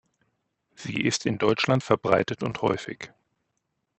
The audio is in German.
Sie ist in Deutschland verbreitet und häufig.